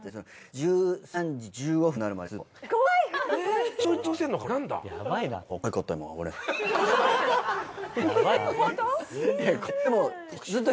１３時１５分になるまでずっと。